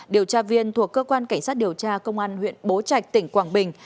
điều tra viên thuộc cơ quan cảnh sát điều tra công an huyện bố trạch tỉnh quảng bình